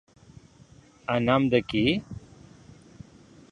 A nom de qui?